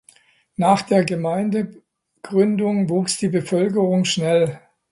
Nach der Gemeindegründung wuchs die Bevölkerung schnell.